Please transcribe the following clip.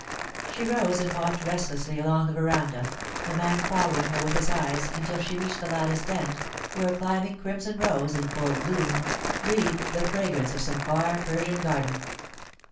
She rose and walked restlessly along the veranda, the man following her with his eyes, until she reached the latticed end, where a climbing crimson rose, in full bloom, breathed the fragrance of some far Persian garden.